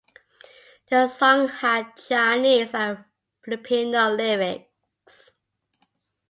The song had Chinese and Filipino lyrics.